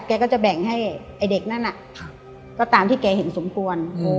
แกก็จะแบ่งให้ไอ้เด็กนั้นก็ตามที่แกเห็นสมควร